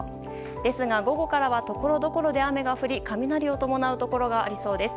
ですが午後からはところどころで雨が降り雷を伴うところがありそうです。